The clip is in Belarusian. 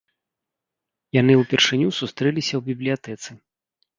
Яны ўпершыню сустрэліся ў бібліятэцы.